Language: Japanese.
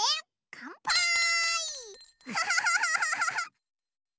かんぱーい！